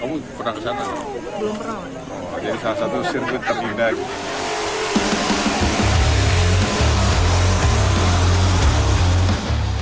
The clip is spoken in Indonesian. pernah kesana belum pernah jadi salah satu sirkuit terindah